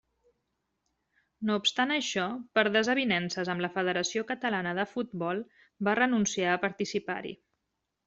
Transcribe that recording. No obstant això, per desavinences amb la Federació Catalana de Futbol va renunciar a participar-hi.